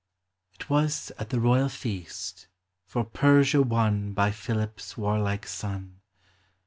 'T was at the royal feast, for Persia won By Philip's warlike son : TEE ARTH.